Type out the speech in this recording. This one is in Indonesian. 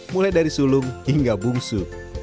mulai dari sulung hingga bungsu